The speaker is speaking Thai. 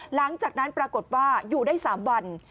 หลังจากนั้นปรากฏว่าอยู่ได้๓วัน